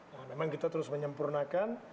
nah memang kita terus menyempurnakan